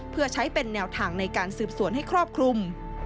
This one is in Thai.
เพื่อใช้เป็นแนวทางในการสืบสวนให้ครอบคลุม